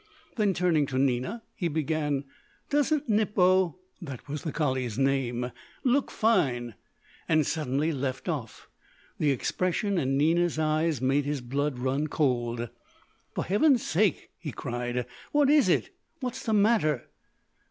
Then turning to Nina he began: "Doesn't Nippo (that was the collie's name) look fine " and suddenly left off. The expression in Nina's eyes made his blood run cold. "For Heaven's sake," he cried, "what is it? What's the matter?"